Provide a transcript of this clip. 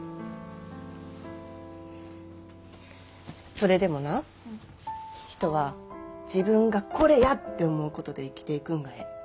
それでもな人は自分が「これや！」って思うことで生きていくんがええ。